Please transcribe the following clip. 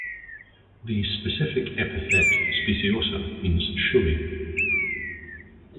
The specific epithet ("speciosa") means "showy".